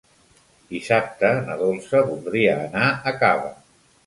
Dissabte na Dolça voldria anar a Cava.